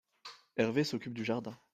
Herve s'occupe du jardin.